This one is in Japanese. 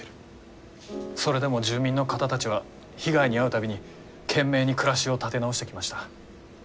それでも住民の方たちは被害に遭う度に懸命に暮らしを立て直してきました。